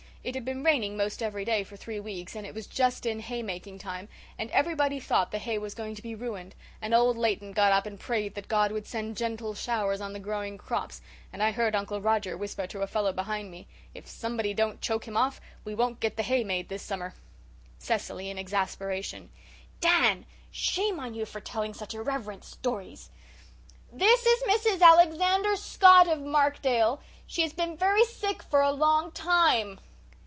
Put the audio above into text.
It had been raining 'most every day for three weeks, and it was just in haymaking time, and everybody thought the hay was going to be ruined, and old Layton got up and prayed that God would send gentle showers on the growing crops, and I heard Uncle Roger whisper to a fellow behind me, 'If somebody don't choke him off we won't get the hay made this summer.'" CECILY, IN EXASPERATION: "(Dan, shame on you for telling such irreverent stories.) This is Mrs. Alexander Scott of Markdale. She has been very sick for a long time."